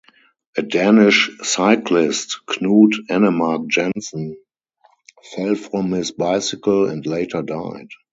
A Danish cyclist, Knud Enemark Jensen, fell from his bicycle and later died.